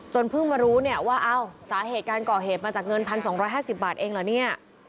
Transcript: เพิ่งมารู้เนี่ยว่าเอ้าสาเหตุการก่อเหตุมาจากเงิน๑๒๕๐บาทเองเหรอเนี่ย